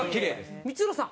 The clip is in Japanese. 光浦さん